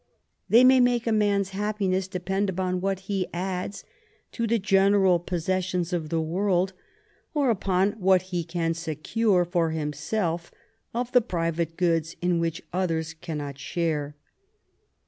They may make a man's happiness depend upon what he adds to the general possessions of the world, or upon what he can secure for himself of the private goods in which others cannot share.